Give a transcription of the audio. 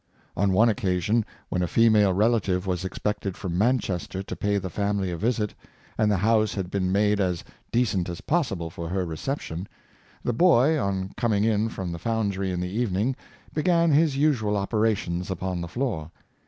On one occasion, when a female rela tive was expected from Manchester to pay the family a visit, and the house had been made as decent as pos sible for her reception, the boy, on coming in from the foundry in the evening, began his usual operations upon the floor.